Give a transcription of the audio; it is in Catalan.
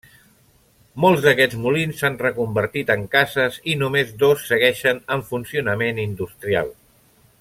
Molts d'aquests molins s'han reconvertit en cases i només dos segueixen en funcionament industrial.